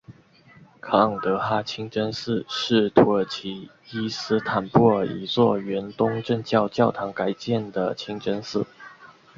卡朗德哈清真寺是土耳其伊斯坦布尔一座原东正教教堂改建的清真寺。